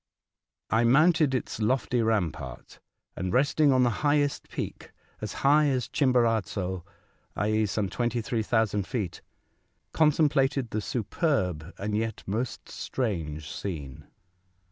I mounted its lofty rampart, and resting on the highest peak, as high as Chimborazo, i.e., some 23,000 feet, contemplated the superb and yet most strange scene.